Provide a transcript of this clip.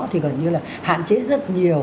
thì gần như là hạn chế rất nhiều